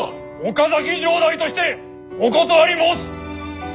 岡崎城代としてお断り申す！